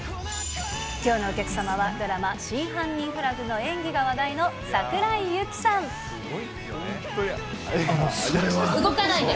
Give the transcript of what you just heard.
きょうのお客様は、ドラマ、真犯人フラグの演技が話題の桜井あの、それは。動かないで。